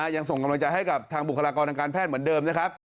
ยังส่งกำลังใจให้กับทางบุคลากรทางการแพทย์เหมือนเดิมนะครับ